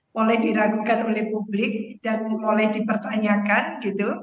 mulai diragukan oleh publik dan mulai dipertanyakan gitu